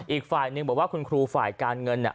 อีกฝ่ายหนึ่งบอกว่าคุณครูฝ่ายการเงิน